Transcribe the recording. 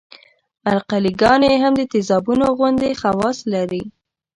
القلي ګانې هم د تیزابونو غوندې خواص لري.